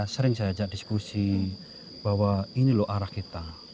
sering saya ajak diskusi bahwa ini loh arah kita